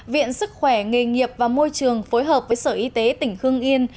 viện sức khỏe nghề nghiệp và môi trường phối hợp với sở y tế tỉnh hương yên